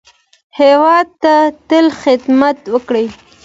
هېواد ته تل خدمت وکړئ